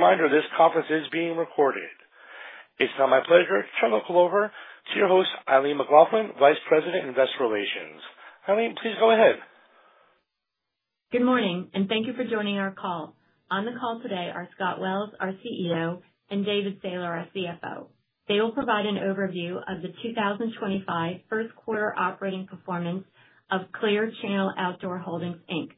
Reminder, this conference is being recorded. It's now my pleasure to turn the call over to your host, Eileen McLaughlin, Vice President, Investor Relations. Eileen, please go ahead. Good morning, and thank you for joining our call. On the call today are Scott Wells, our CEO, and David Sailer, our CFO. They will provide an overview of the 2025 first quarter operating performance of Clear Channel Outdoor Holdings Inc.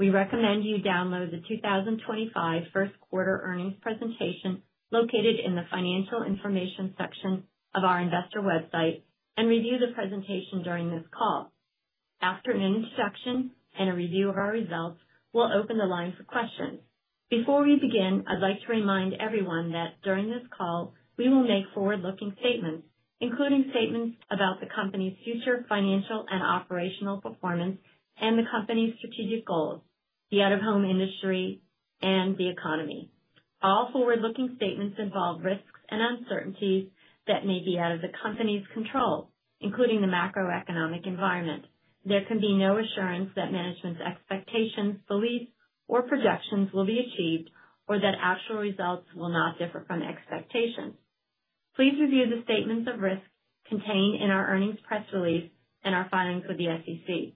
We recommend you download the 2025 first quarter earnings presentation located in the financial information section of our investor website and review the presentation during this call. After an introduction and a review of our results, we'll open the line for questions. Before we begin, I'd like to remind everyone that during this call, we will make forward-looking statements, including statements about the company's future financial and operational performance and the company's strategic goals, the out-of-home industry, and the economy. All forward-looking statements involve risks and uncertainties that may be out of the company's control, including the macroeconomic environment. There can be no assurance that management's expectations, beliefs, or projections will be achieved or that actual results will not differ from expectations. Please review the statements of risk contained in our earnings press release and our filings with the SEC.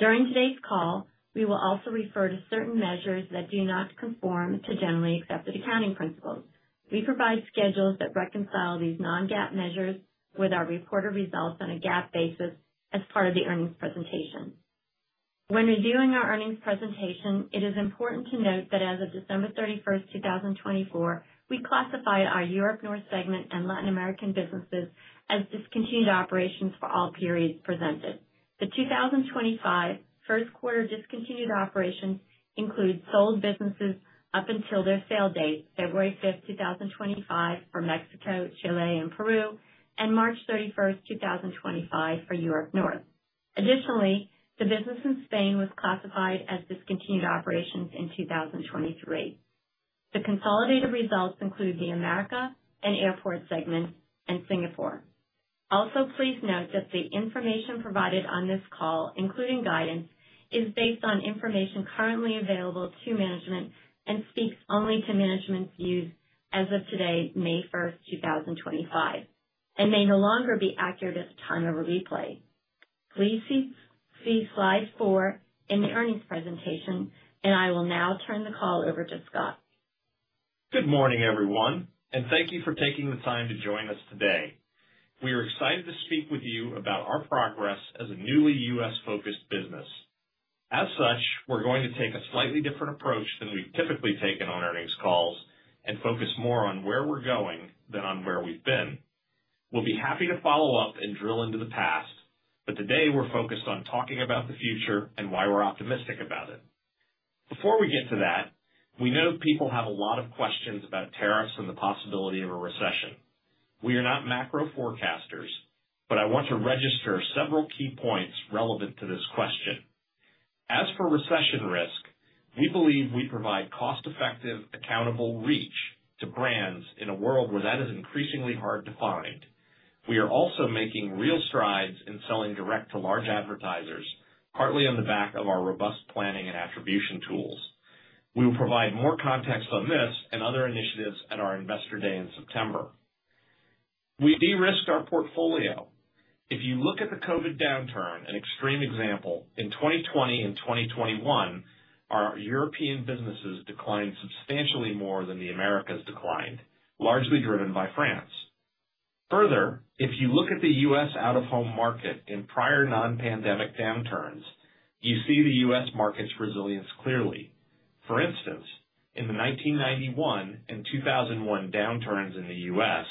During today's call, we will also refer to certain measures that do not conform to generally accepted accounting principles. We provide schedules that reconcile these non-GAAP measures with our reported results on a GAAP basis as part of the earnings presentation. When reviewing our earnings presentation, it is important to note that as of December 31, 2024, we classified our Europe North segment and Latin American businesses as discontinued operations for all periods presented. The 2025 first quarter discontinued operations include sold businesses up until their sale date, February 5, 2025, for Mexico, Chile, and Peru, and March 31, 2025, for Europe North. Additionally, the business in Spain was classified as discontinued operations in 2023. The consolidated results include the America and Airport segment and Singapore. Also, please note that the information provided on this call, including guidance, is based on information currently available to management and speaks only to management's views as of today, May 1st, 2025, and may no longer be accurate at the time of a replay. Please see slide four in the earnings presentation, and I will now turn the call over to Scott. Good morning, everyone, and thank you for taking the time to join us today. We are excited to speak with you about our progress as a newly U.S.-focused business. As such, we're going to take a slightly different approach than we've typically taken on earnings calls and focus more on where we're going than on where we've been. We'll be happy to follow up and drill into the past, but today we're focused on talking about the future and why we're optimistic about it. Before we get to that, we know people have a lot of questions about tariffs and the possibility of a recession. We are not macro forecasters, but I want to register several key points relevant to this question. As for recession risk, we believe we provide cost-effective, accountable reach to brands in a world where that is increasingly hard to find. We are also making real strides in selling direct to large advertisers, partly on the back of our robust planning and attribution tools. We will provide more context on this and other initiatives at our investor day in September. We de-risked our portfolio. If you look at the COVID downturn, an extreme example, in 2020 and 2021, our European businesses declined substantially more than the U.S. declined, largely driven by France. Further, if you look at the U.S. out-of-home market in prior non-pandemic downturns, you see the U.S. market's resilience clearly. For instance, in the 1991 and 2001 downturns in the U.S.,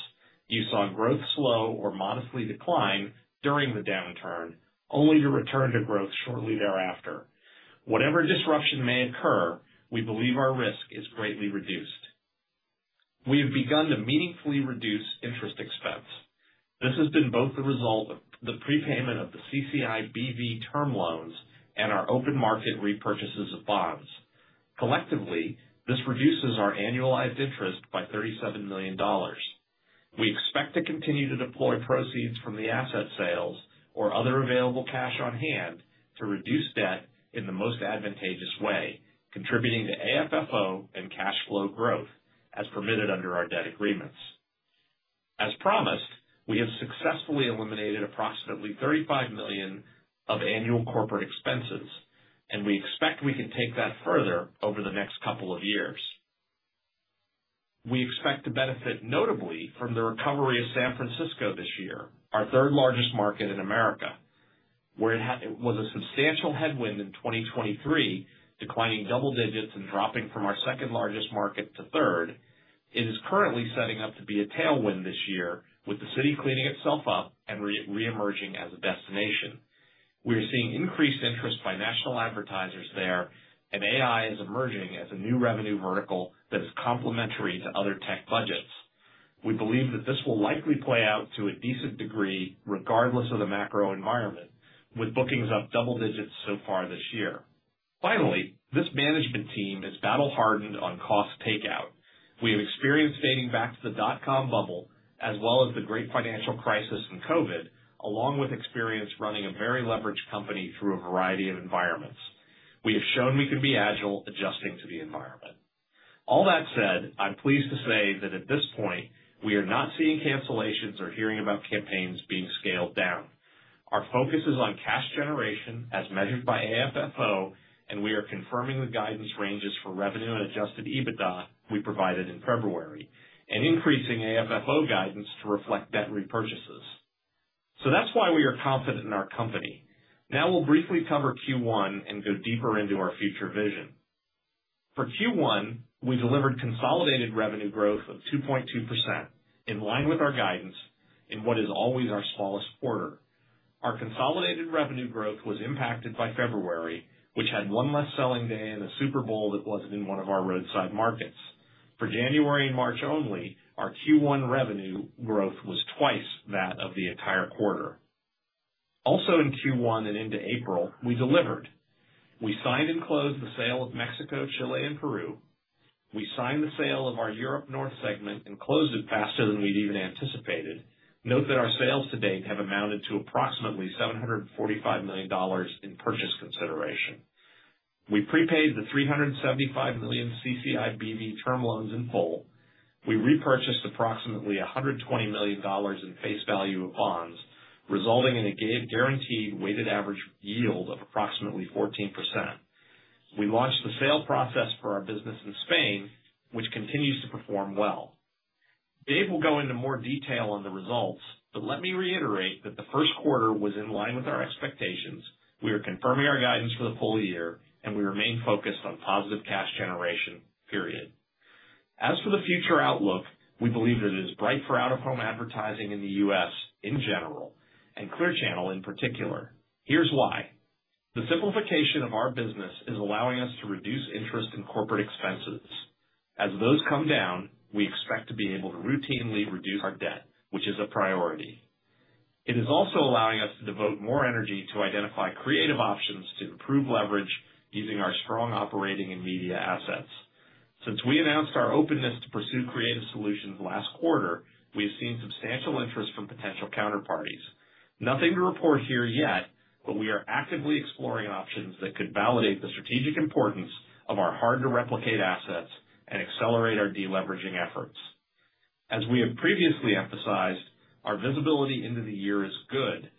you saw growth slow or modestly decline during the downturn, only to return to growth shortly thereafter. Whatever disruption may occur, we believe our risk is greatly reduced. We have begun to meaningfully reduce interest expense. This has been both the result of the prepayment of the CCIBV term loans and our open market repurchases of bonds. Collectively, this reduces our annualized interest by $37 million. We expect to continue to deploy proceeds from the asset sales or other available cash on hand to reduce debt in the most advantageous way, contributing to AFFO and cash flow growth as permitted under our debt agreements. As promised, we have successfully eliminated approximately $35 million of annual corporate expenses, and we expect we can take that further over the next couple of years. We expect to benefit notably from the recovery of San Francisco this year, our third largest market in America, where it was a substantial headwind in 2023, declining double digits and dropping from our second largest market to third. It is currently setting up to be a tailwind this year, with the city cleaning itself up and reemerging as a destination. We are seeing increased interest by national advertisers there, and AI is emerging as a new revenue vertical that is complementary to other tech budgets. We believe that this will likely play out to a decent degree regardless of the macro environment, with bookings up double digits so far this year. Finally, this management team is battle-hardened on cost takeout. We have experience dating back to the dot-com bubble as well as the Great Financial Crisis and COVID, along with experience running a very leveraged company through a variety of environments. We have shown we can be agile adjusting to the environment. All that said, I'm pleased to say that at this point, we are not seeing cancellations or hearing about campaigns being scaled down. Our focus is on cash generation as measured by AFFO, and we are confirming the guidance ranges for revenue and Adjusted EBITDA we provided in February and increasing AFFO guidance to reflect debt repurchases. That is why we are confident in our company. Now we will briefly cover Q1 and go deeper into our future vision. For Q1, we delivered consolidated revenue growth of 2.2% in line with our guidance in what is always our smallest quarter. Our consolidated revenue growth was impacted by February, which had one less selling day and a Super Bowl that was not in one of our roadside markets. For January and March only, our Q1 revenue growth was twice that of the entire quarter. Also in Q1 and into April, we delivered. We signed and closed the sale of Mexico, Chile, and Peru. We signed the sale of our Europe North segment and closed it faster than we'd even anticipated. Note that our sales to date have amounted to approximately $745 million in purchase consideration. We prepaid the $375 million CCIBV term loans in full. We repurchased approximately $120 million in face value of bonds, resulting in a guaranteed weighted average yield of approximately 14%. We launched the sale process for our business in Spain, which continues to perform well. Dave will go into more detail on the results, but let me reiterate that the first quarter was in line with our expectations. We are confirming our guidance for the full year, and we remain focused on positive cash generation, period. As for the future outlook, we believe that it is bright for out-of-home advertising in the U.S. in general and Clear Channel in particular. Here's why. The simplification of our business is allowing us to reduce interest and corporate expenses. As those come down, we expect to be able to routinely reduce our debt, which is a priority. It is also allowing us to devote more energy to identify creative options to improve leverage using our strong operating and media assets. Since we announced our openness to pursue creative solutions last quarter, we have seen substantial interest from potential counterparties. Nothing to report here yet, but we are actively exploring options that could validate the strategic importance of our hard-to-replicate assets and accelerate our deleveraging efforts. As we have previously emphasized, our visibility into the year is good.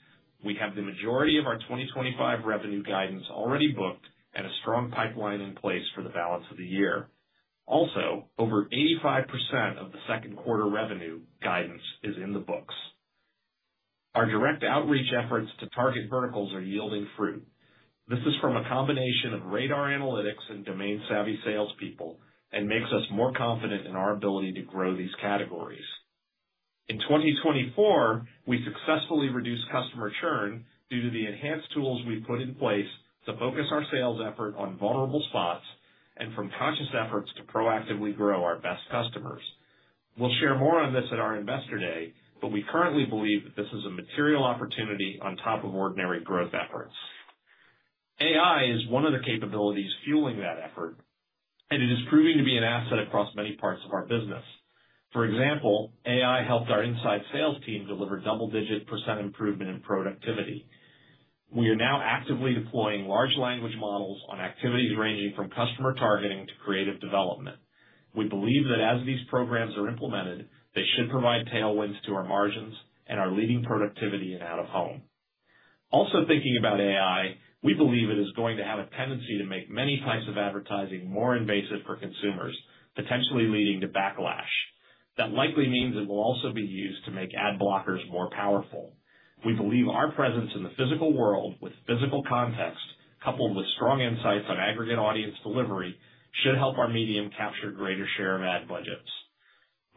We have the majority of our 2025 revenue guidance already booked and a strong pipeline in place for the balance of the year. Also, over 85% of the second quarter revenue guidance is in the books. Our direct outreach efforts to target verticals are yielding fruit. This is from a combination of RADAR analytics and domain-savvy salespeople and makes us more confident in our ability to grow these categories. In 2024, we successfully reduced customer churn due to the enhanced tools we've put in place to focus our sales effort on vulnerable spots and from conscious efforts to proactively grow our best customers. We'll share more on this at our investor day, but we currently believe that this is a material opportunity on top of ordinary growth efforts. AI is one of the capabilities fueling that effort, and it is proving to be an asset across many parts of our business. For example, AI helped our inside sales team deliver double-digit percent improvement in productivity. We are now actively deploying large language models on activities ranging from customer targeting to creative development. We believe that as these programs are implemented, they should provide tailwinds to our margins and our leading productivity in out-of-home. Also thinking about AI, we believe it is going to have a tendency to make many types of advertising more invasive for consumers, potentially leading to backlash. That likely means it will also be used to make ad blockers more powerful. We believe our presence in the physical world with physical context, coupled with strong insights on aggregate audience delivery, should help our medium capture a greater share of ad budgets.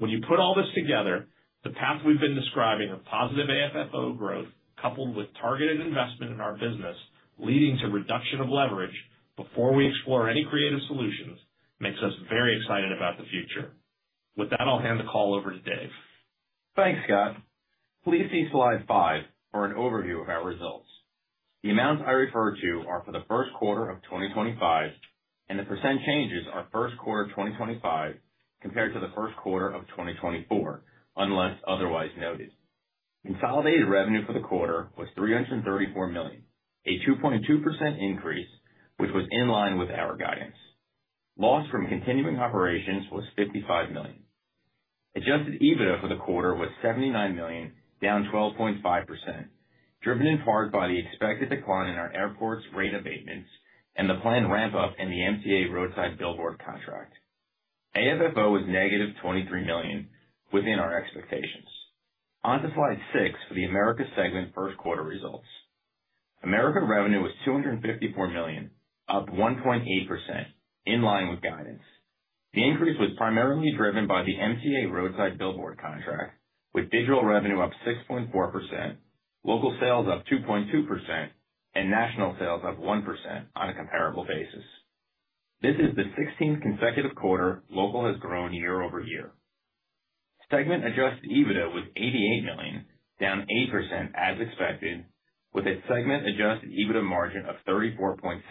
When you put all this together, the path we've been describing of positive AFFO growth coupled with targeted investment in our business, leading to reduction of leverage before we explore any creative solutions, makes us very excited about the future. With that, I'll hand the call over to Dave. Thanks, Scott. Please see slide five for an overview of our results. The amounts I refer to are for the first quarter of 2025, and the % changes are first quarter 2025 compared to the first quarter of 2024, unless otherwise noted. Consolidated revenue for the quarter was $334 million, a 2.2% increase, which was in line with our guidance. Loss from continuing operations was $55 million. Adjusted EBITDA for the quarter was $79 million, down 12.5%, driven in part by the expected decline in our Airports rate of maintenance and the planned ramp-up in the MTA roadside billboard contract. AFFO was negative $23 million within our expectations. On to slide six for the America segment first quarter results. American revenue was $254 million, up 1.8%, in line with guidance. The increase was primarily driven by the MTA roadside billboard contract, with digital revenue up 6.4%, local sales up 2.2%, and national sales up 1% on a comparable basis. This is the 16th consecutive quarter local has grown year over year. Segment-Adjusted EBITDA was $88 million, down 8% as expected, with a Segment-Adjusted EBITDA margin of 34.6%,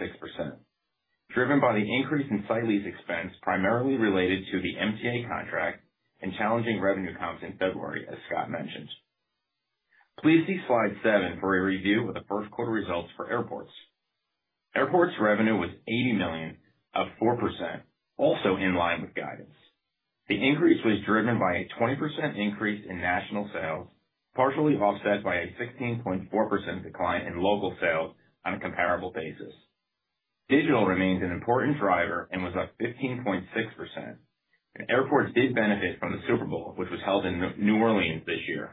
driven by the increase in site lease expense primarily related to the MTA contract and challenging revenue comps in February, as Scott mentioned. Please see slide seven for a review of the first quarter results for Airports. Airports' revenue was $80 million, up 4%, also in line with guidance. The increase was driven by a 20% increase in national sales, partially offset by a 16.4% decline in local sales on a comparable basis. Digital remains an important driver and was up 15.6%. Airports did benefit from the Super Bowl, which was held in New Orleans this year.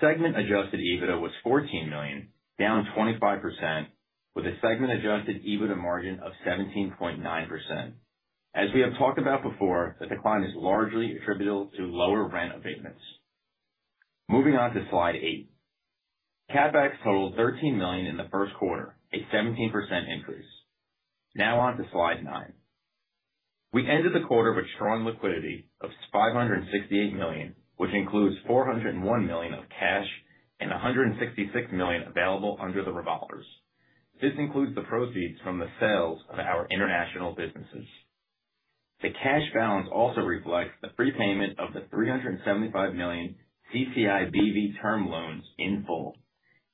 Segment-Adjusted EBITDA was $14 million, down 25%, with a Segment-Adjusted EBITDA margin of 17.9%. As we have talked about before, the decline is largely attributable to lower rent abatements. Moving on to slide eight. CapEx totaled $13 million in the first quarter, a 17% increase. Now on to slide nine. We ended the quarter with strong liquidity of $568 million, which includes $401 million of cash and $166 million available under the revolvers. This includes the proceeds from the sales of our international businesses. The cash balance also reflects the prepayment of the $375 million CCIBV term loans in full.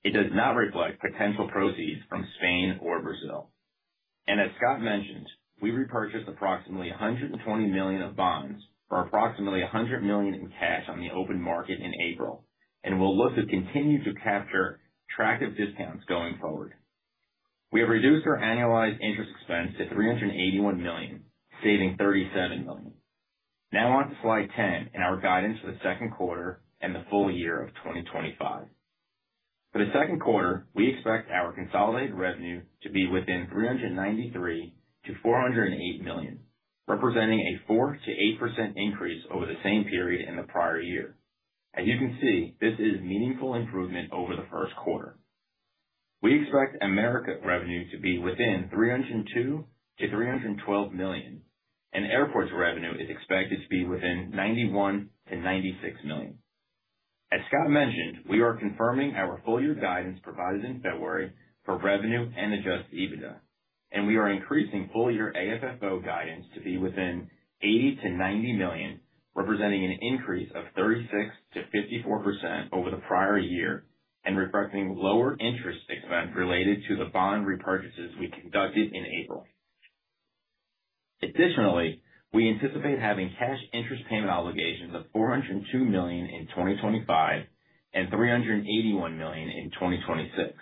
It does not reflect potential proceeds from Spain or Brazil. As Scott mentioned, we repurchased approximately $120 million of bonds for approximately $100 million in cash on the open market in April, and we will look to continue to capture attractive discounts going forward. We have reduced our annualized interest expense to $381 million, saving $37 million. Now on to slide ten in our guidance for the second quarter and the full year of 2025. For the second quarter, we expect our consolidated revenue to be within $393 million-$408 million, representing a 4%-8% increase over the same period in the prior year. As you can see, this is a meaningful improvement over the first quarter. We expect America revenue to be within $302 million-$312 million, and Airports' revenue is expected to be within $91 million-$96 million. As Scott mentioned, we are confirming our full-year guidance provided in February for revenue and Adjusted EBITDA, and we are increasing full-year AFFO guidance to be within $80 million-$90 million, representing an increase of 36% to 54% over the prior year and reflecting lower interest expense related to the bond repurchases we conducted in April. Additionally, we anticipate having cash interest payment obligations of $402 million in 2025 and $381 million in 2026.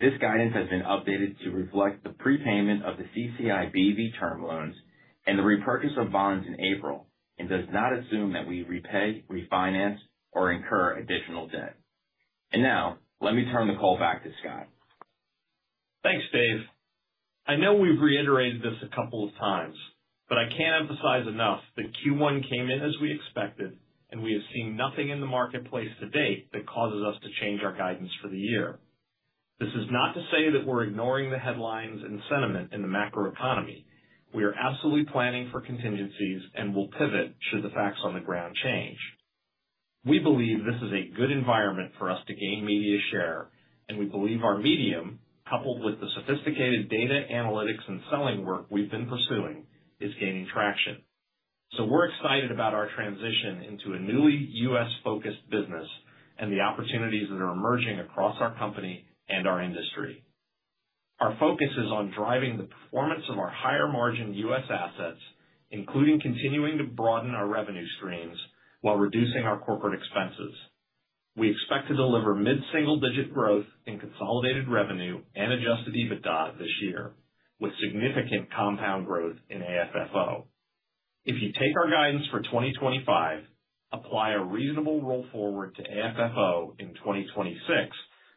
This guidance has been updated to reflect the prepayment of the CCIBV term loans and the repurchase of bonds in April and does not assume that we repay, refinance, or incur additional debt. Let me turn the call back to Scott. Thanks, Dave. I know we've reiterated this a couple of times, but I can't emphasize enough that Q1 came in as we expected, and we have seen nothing in the marketplace to date that causes us to change our guidance for the year. This is not to say that we're ignoring the headlines and sentiment in the macroeconomy. We are absolutely planning for contingencies and will pivot should the facts on the ground change. We believe this is a good environment for us to gain media share, and we believe our medium, coupled with the sophisticated data analytics and selling work we've been pursuing, is gaining traction. We are excited about our transition into a newly U.S.-focused business and the opportunities that are emerging across our company and our industry. Our focus is on driving the performance of our higher-margin U.S. assets, including continuing to broaden our revenue streams while reducing our corporate expenses. We expect to deliver mid-single-digit growth in consolidated revenue and Adjusted EBITDA this year, with significant compound growth in AFFO. If you take our guidance for 2025, apply a reasonable roll forward to AFFO in 2026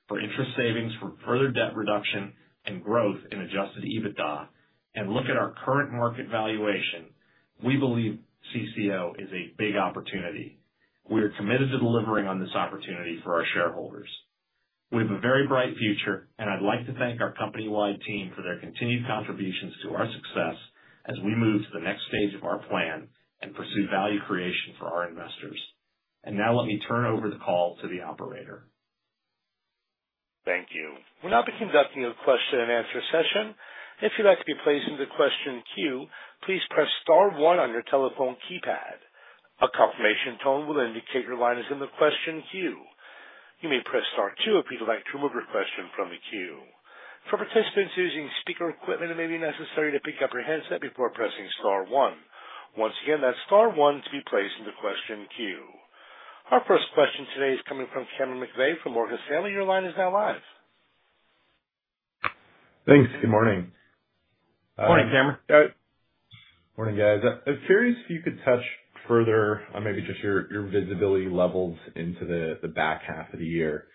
for interest savings from further debt reduction and growth in Adjusted EBITDA, and look at our current market valuation, we believe CCO is a big opportunity. We are committed to delivering on this opportunity for our shareholders. We have a very bright future, and I would like to thank our company-wide team for their continued contributions to our success as we move to the next stage of our plan and pursue value creation for our investors. Let me turn over the call to the operator. Thank you. We'll now be conducting a question-and-answer session. If you'd like to be placed into question queue, please press star one on your telephone keypad. A confirmation tone will indicate your line is in the question queue. You may press star two if you'd like to remove your question from the queue. For participants using speaker equipment, it may be necessary to pick up your headset before pressing star one. Once again, that's star one to be placed into question queue. Our first question today is coming from Cameron McVeigh from Morgan Stanley. Your line is now live. Thanks. Good morning. Morning, Cameron. Morning, guys. I was curious if you could touch further on maybe just your visibility levels into the back half of the year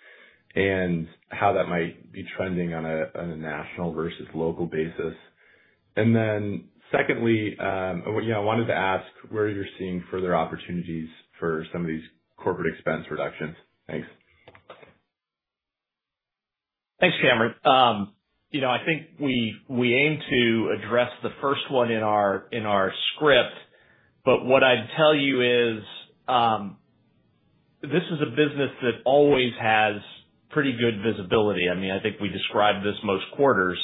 and how that might be trending on a national versus local basis. Secondly, I wanted to ask where you're seeing further opportunities for some of these corporate expense reductions. Thanks. Thanks, Cameron. I think we aim to address the first one in our script, but what I'd tell you is this is a business that always has pretty good visibility. I mean, I think we described this most quarters,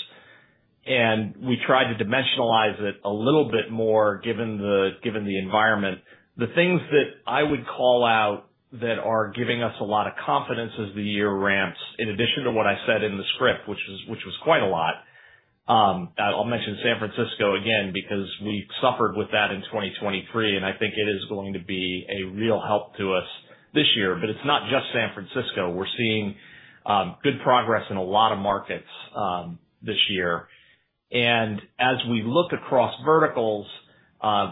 and we tried to dimensionalize it a little bit more given the environment. The things that I would call out that are giving us a lot of confidence as the year ramps, in addition to what I said in the script, which was quite a lot. I will mention San Francisco again because we suffered with that in 2023, and I think it is going to be a real help to us this year. It is not just San Francisco. We are seeing good progress in a lot of markets this year. As we look across verticals,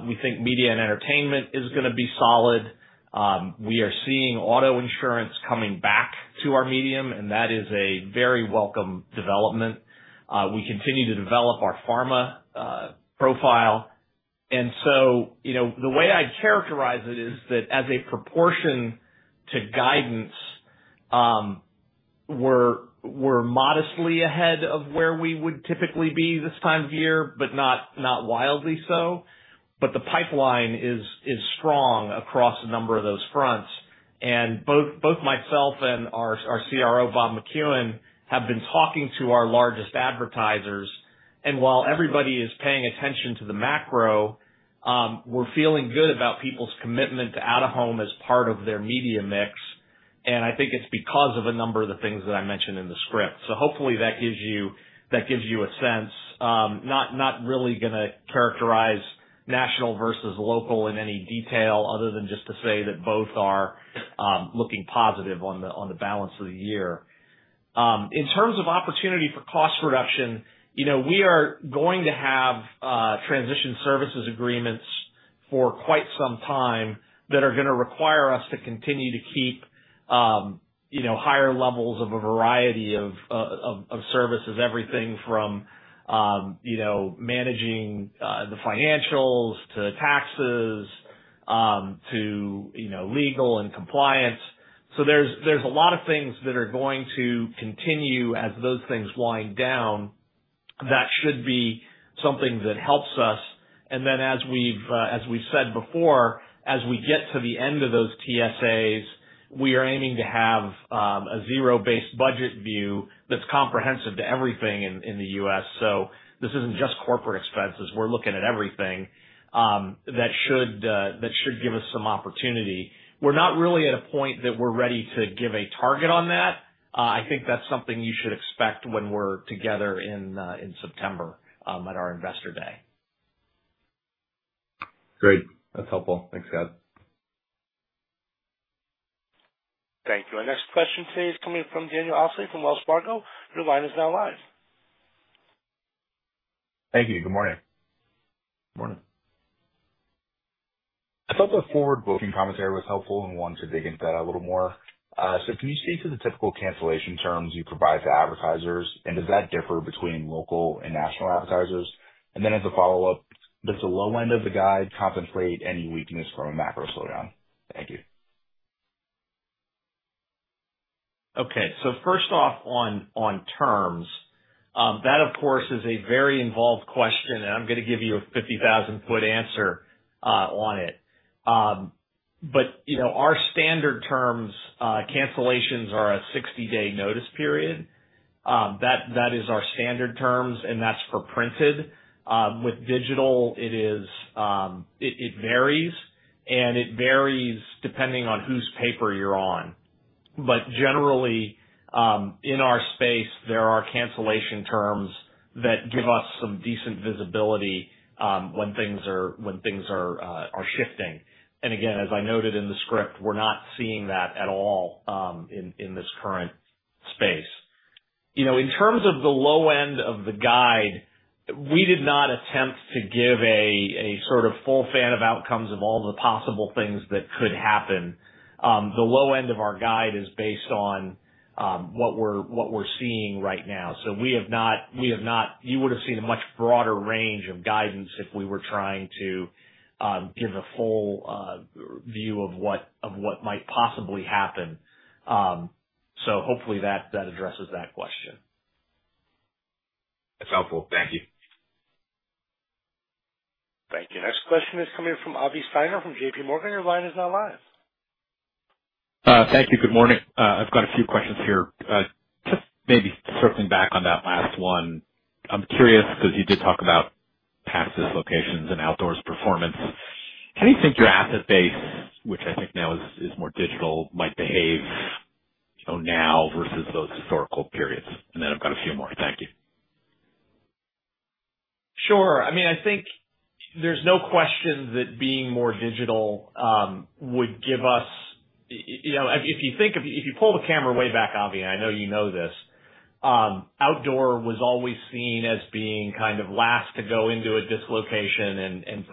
we think media and entertainment is going to be solid. We are seeing auto insurance coming back to our medium, and that is a very welcome development. We continue to develop our pharma profile. The way I'd characterize it is that as a proportion to guidance, we're modestly ahead of where we would typically be this time of year, but not wildly so. The pipeline is strong across a number of those fronts. Both myself and our CRO, Bob McCuin, have been talking to our largest advertisers. While everybody is paying attention to the macro, we're feeling good about people's commitment to out-of-home as part of their media mix. I think it's because of a number of the things that I mentioned in the script. Hopefully that gives you a sense. Not really going to characterize national versus local in any detail other than just to say that both are looking positive on the balance of the year. In terms of opportunity for cost reduction, we are going to have transition services agreements for quite some time that are going to require us to continue to keep higher levels of a variety of services, everything from managing the financials to taxes to legal and compliance. There are a lot of things that are going to continue as those things wind down that should be something that helps us. As we have said before, as we get to the end of those TSAs, we are aiming to have a zero-based budget view that is comprehensive to everything in the U.S. This is not just corporate expenses. We are looking at everything that should give us some opportunity. We're not really at a point that we're ready to give a target on that. I think that's something you should expect when we're together in September at our investor day. Great. That's helpful. Thanks, Scott. Thank you. Our next question today is coming from Daniel Osley from Wells Fargo. Your line is now live. Thank you. Good morning. Morning. I thought the forward-looking commentary was helpful and wanted to dig into that a little more. Can you speak to the typical cancellation terms you provide to advertisers, and does that differ between local and national advertisers? As a follow-up, does the low end of the guide compensate any weakness from a macro slowdown? Thank you. Okay. First off, on terms, that, of course, is a very involved question, and I'm going to give you a 50,000-foot answer on it. Our standard terms, cancellations are a 60-day notice period. That is our standard terms, and that's for printed. With digital, it varies, and it varies depending on whose paper you're on. Generally, in our space, there are cancellation terms that give us some decent visibility when things are shifting. As I noted in the script, we're not seeing that at all in this current space. In terms of the low end of the guide, we did not attempt to give a sort of full fan of outcomes of all the possible things that could happen. The low end of our guide is based on what we're seeing right now. We have not—you would have seen a much broader range of guidance if we were trying to give a full view of what might possibly happen. Hopefully that addresses that question. That's helpful. Thank you. Thank you. Next question is coming from Avi Steiner from JPMorgan. Your line is now live. Thank you. Good morning. I've got a few questions here. Just maybe circling back on that last one. I'm curious because you did talk about past dislocations and outdoors performance. How do you think your asset base, which I think now is more digital, might behave now versus those historical periods? And then I've got a few more. Thank you. Sure. I mean, I think there is no question that being more digital would give us—if you pull the camera way back, Avi, I know you know this—outdoor was always seen as being kind of last to go into a dislocation and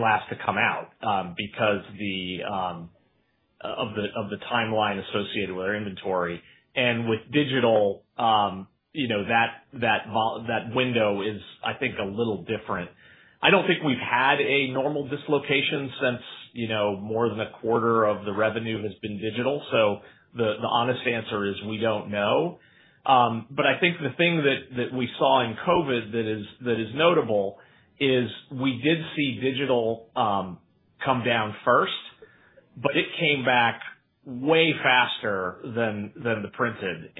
last to come out because of the timeline associated with our inventory. With digital, that window is, I think, a little different. I do not think we have had a normal dislocation since more than a quarter of the revenue has been digital. The honest answer is we do not know. I think the thing that we saw in COVID that is notable is we did see digital come down first, but it came back way faster than the printed.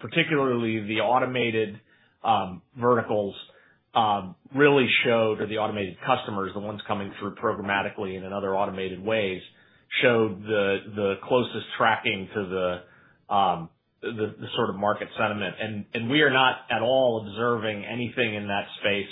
Particularly, the automated verticals really showed, or the automated customers, the ones coming through programmatically in other automated ways, showed the closest tracking to the sort of market sentiment. We are not at all observing anything in that space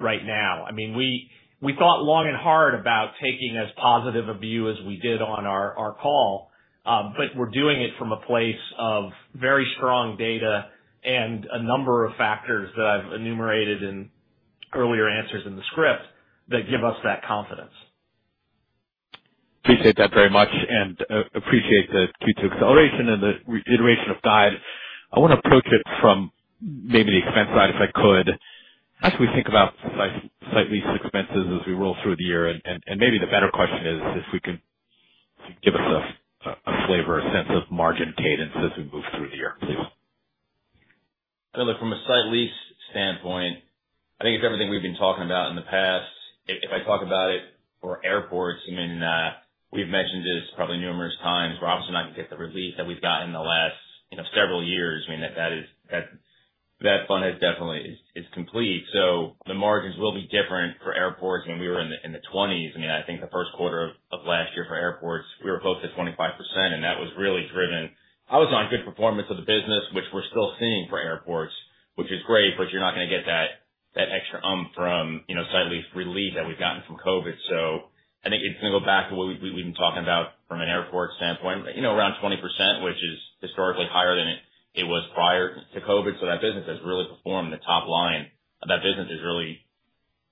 right now. I mean, we thought long and hard about taking as positive a view as we did on our call, but we're doing it from a place of very strong data and a number of factors that I've enumerated in earlier answers in the script that give us that confidence. Appreciate that very much and appreciate the Q2 acceleration and the reiteration of guide. I want to approach it from maybe the expense side if I could. How should we think about site lease expenses as we roll through the year? Maybe the better question is if you can give us a flavor, a sense of margin cadence as we move through the year, please. From a site lease standpoint, I think it's everything we've been talking about in the past. If I talk about it for Airports, I mean, we've mentioned this probably numerous times. We're obviously not going to get the relief that we've gotten in the last several years. I mean, that fund has definitely is complete. So the margins will be different for Airports. I mean, we were in the 20s. I mean, I think the first quarter of last year for Airports, we were close to 25%, and that was really driven. I was on good performance of the business, which we're still seeing for Airports, which is great, but you're not going to get that extra from site lease relief that we've gotten from COVID. I think it's going to go back to what we've been talking about from an Airport standpoint, around 20%, which is historically higher than it was prior to COVID. That business has really performed. The top line of that business has really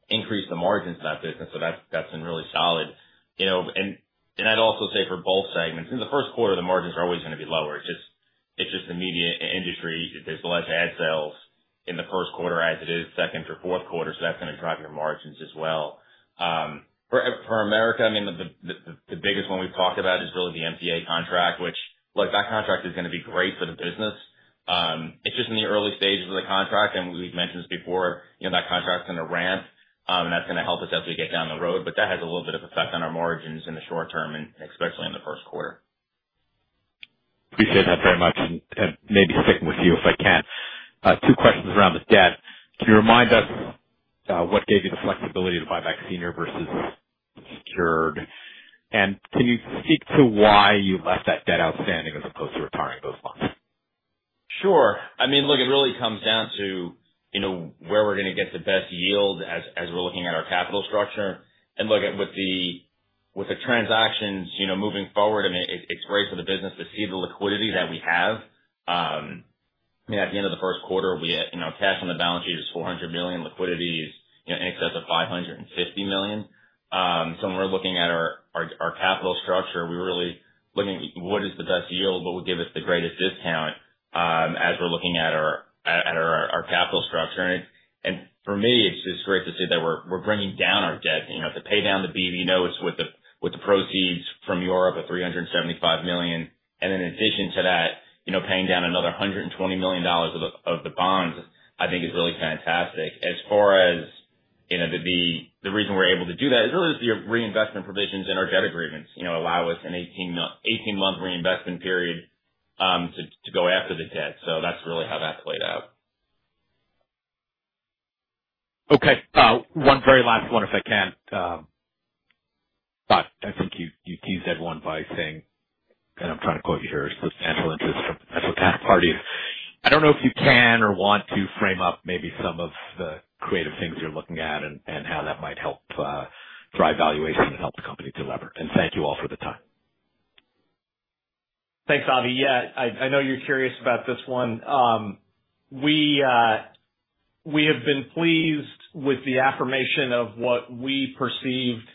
increased the margins of that business. That's been really solid. I'd also say for both segments, in the first quarter, the margins are always going to be lower. It's just the media industry. There's less ad sales in the first quarter as it is second or fourth quarter. That's going to drive your margins as well. For America, I mean, the biggest one we've talked about is really the MTA contract, which, look, that contract is going to be great for the business. It's just in the early stages of the contract, and we've mentioned this before, that contract's going to ramp, and that's going to help us as we get down the road. That has a little bit of effect on our margins in the short term and especially in the first quarter. Appreciate that very much. Maybe sticking with you if I can, two questions around the debt. Can you remind us what gave you the flexibility to buy back senior versus secured? Can you speak to why you left that debt outstanding as opposed to retiring those funds? Sure. I mean, look, it really comes down to where we're going to get the best yield as we're looking at our capital structure. Look, with the transactions moving forward, I mean, it's great for the business to see the liquidity that we have. I mean, at the end of the first quarter, cash on the balance sheet is $400 million. Liquidity is in excess of $550 million. When we're looking at our capital structure, we're really looking at what is the best yield, what would give us the greatest discount as we're looking at our capital structure. For me, it's just great to see that we're bringing down our debt. To pay down the BV notes with the proceeds from Europe, $375 million. In addition to that, paying down another $120 million of the bonds, I think, is really fantastic. As far as the reason we're able to do that is really just the reinvestment provisions in our debt agreements allow us an 18-month reinvestment period to go after the debt. That's really how that played out. Okay. One very last one, if I can. I think you teased everyone by saying, and I'm trying to quote you here, "Substantial interest from potential counterparties." I do not know if you can or want to frame up maybe some of the creative things you're looking at and how that might help drive valuation and help the company deliver. Thank you all for the time. Thanks, Avi. Yeah, I know you're curious about this one. We have been pleased with the affirmation of what we perceived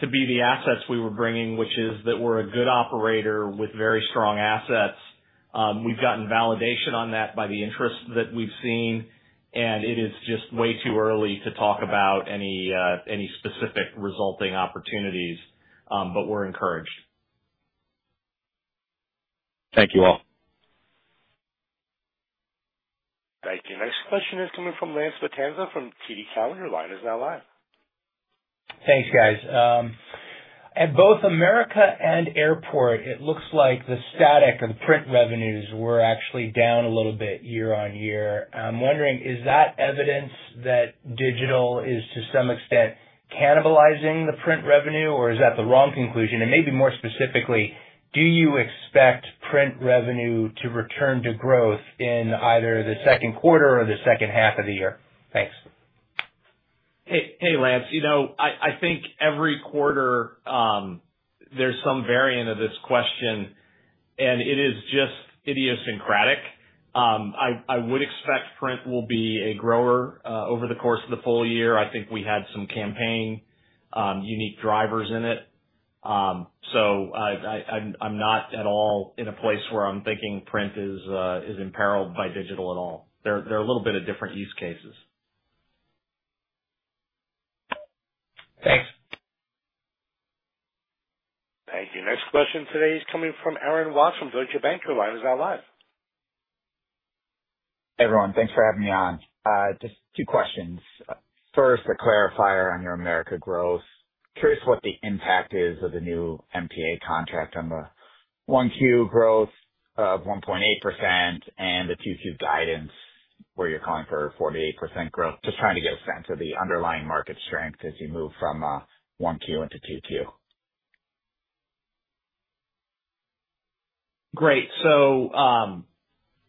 to be the assets we were bringing, which is that we're a good operator with very strong assets. We've gotten validation on that by the interest that we've seen, and it is just way too early to talk about any specific resulting opportunities, but we're encouraged. Thank you all. Thank you. Next question is coming from Lance Vitanza from TD Cowen. Line is now live. Thanks, guys. At both America and Airport, it looks like the static or the print revenues were actually down a little bit year on year. I'm wondering, is that evidence that digital is to some extent cannibalizing the print revenue, or is that the wrong conclusion? Maybe more specifically, do you expect print revenue to return to growth in either the second quarter or the second half of the year? Thanks. Hey, Lance, I think every quarter there's some variant of this question, and it is just idiosyncratic. I would expect print will be a grower over the course of the full year. I think we had some campaign unique drivers in it. I am not at all in a place where I am thinking print is imperiled by digital at all. They are a little bit of different use cases. Thanks. Thank you. Next question today is coming from Aaron Watts from Deutsche Bank. Your line is now live. Hey, everyone. Thanks for having me on. Just two questions. First, a clarifier on your America growth. Curious what the impact is of the new MTA contract on the 1Q growth of 1.8% and the 2Q guidance where you're calling for 48% growth. Just trying to get a sense of the underlying market strength as you move from 1Q into 2Q. Great.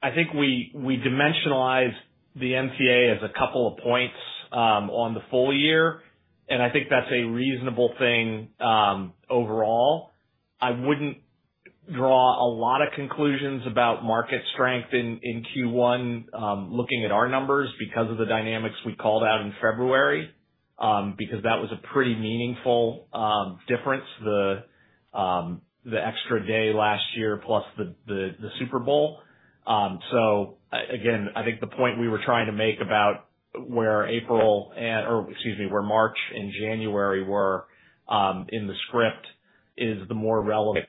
I think we dimensionalized the MTA as a couple of points on the full year, and I think that's a reasonable thing overall. I wouldn't draw a lot of conclusions about market strength in Q1 looking at our numbers because of the dynamics we called out in February because that was a pretty meaningful difference, the extra day last year plus the Super Bowl. I think the point we were trying to make about where April or, excuse me, where March and January were in the script is the more relevant.